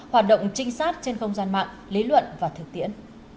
hoạt động trinh sát trên không gian mạng lý luận và thực tiễn